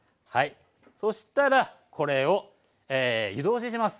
そしたらこれを湯通しします。